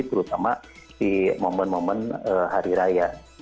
terutama di momen momen hari raya